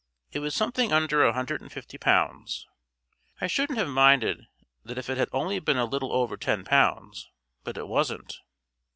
It was something under a hundred and fifty pounds. I shouldn't have minded that if it had only been a little over ten pounds. But it wasn't.